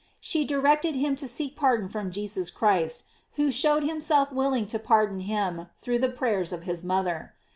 She directed him to seek pardon from Jesus Christ, who showed himself willing to par don him through the prayers of his mother.